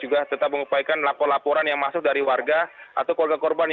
juga tetap mengupayakan lapor laporan yang masuk dari warga atau keluarga korban